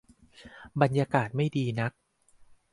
บรรยากาศไม่ดีนัก